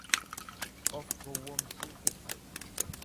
Of gowwomsuu ibsa.